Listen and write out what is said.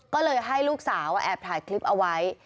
ก็เลยให้ลูกสาวแอบถ่ายคลิปเอาไว้